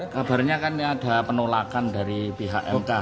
kabarnya kan ada penolakan dari pihak mk